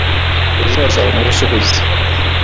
Ejo hazaba umunsi uhuze.